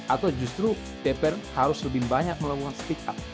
atau justru dpr harus lebih banyak melakukan speak up